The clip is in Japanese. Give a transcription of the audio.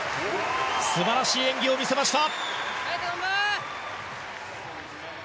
素晴らしい演技を見せました！